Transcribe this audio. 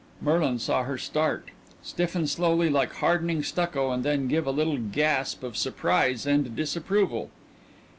Merlin saw her start, stiffen slowly like hardening stucco, and then give a little gasp of surprise and disapproval.